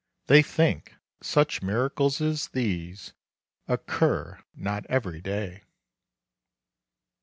They think such miracles as these Occur not every day.